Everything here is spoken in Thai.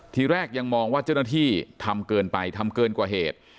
ทีแรกยังมองว่าเจ้าหน้าที่ทำเกินไปทำเกินกว่าเหตุ